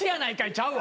ちゃうわ。